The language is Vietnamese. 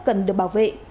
cần được bảo vệ